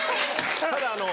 ただあの。